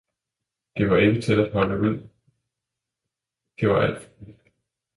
det var ikke til at holde ud, det var alt for galt!